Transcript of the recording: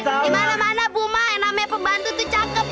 di mana mana buma yang namanya pembantu tuh cakep